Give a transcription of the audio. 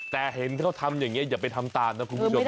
แต่เห็นเขาทำอย่างนี้อย่าไปทำตามนะคุณผู้ชม